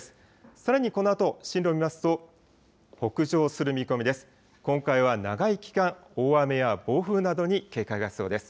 さらにこのあと進路を見ますと、北上する見込みです。